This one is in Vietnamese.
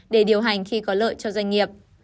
để điều hành khi có lợi cho doanh nghiệp